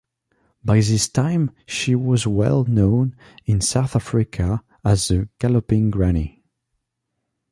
By this time she was well known in South Africa as the 'Galloping Granny'.